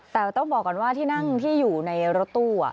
แต่ต้องบอกก่อนว่าที่นั่งที่อยู่ในรถตู้